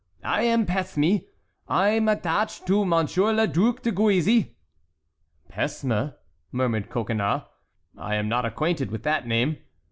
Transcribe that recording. "I am Pesme; I'm addached to Monsir le Douque de Gouise." "Pesme," murmured Coconnas; "I am not acquainted with that name."